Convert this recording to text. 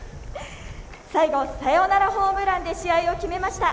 最後、サヨナラホームランで試合を決めました